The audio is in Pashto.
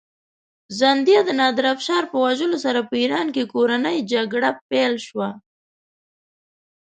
زندیه د نادرافشار په وژلو سره په ایران کې کورنۍ جګړه پیل شوه.